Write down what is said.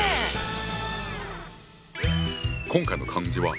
今回の漢字は。